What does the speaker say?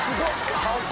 顔！